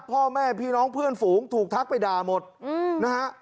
พ่อแม่พี่น้องเพื่อนฝูงถูกทักไปด่าหมดนะฮะ